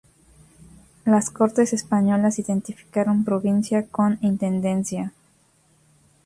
Las cortes españolas identificaron provincia con intendencia.